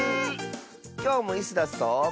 きょうもイスダスと。